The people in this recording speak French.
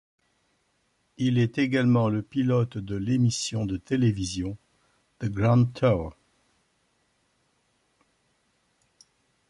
Il est également le pilote de l'émission de télévision The Grand Tour.